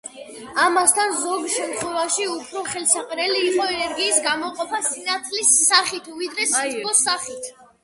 ამასთან, ზოგ შემთხვევაში უფრო ხელსაყრელი იყო ენერგიის გამოყოფა სინათლის სახით, ვიდრე სითბოს სახით.